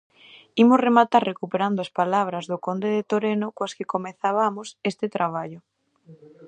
Imos rematar recuperando as palabras do conde de Toreno coas que comezabamos este traballo.